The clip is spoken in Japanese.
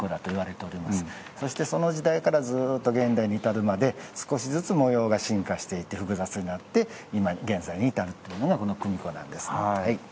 そしてその時代からずっと現代に至るまで少しずつ模様が進化していって複雑になって今現在に至るっていうのがこの組子なんです。